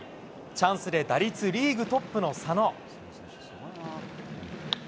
チャンスで打率リーグトップの佐野。